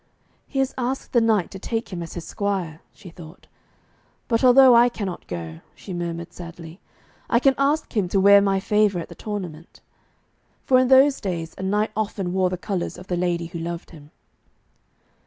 'He has asked the knight to take him as his squire,' she thought. 'But although I cannot go,' she murmured sadly, 'I can ask him to wear my favour at the tournament.' For in those days a knight often wore the colours of the lady who loved him.